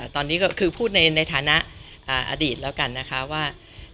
ตอนนี้ก็คือพูดในฐานะอดีตแล้วกันนะคะว่า